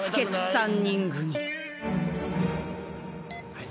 はい。